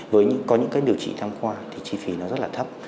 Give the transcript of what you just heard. với những điều trị thăm qua thì chi phí nó rất là thấp